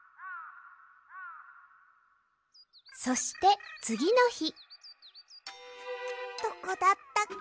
そしてつぎのひどこだったっけ？